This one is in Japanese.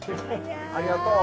ありがとう。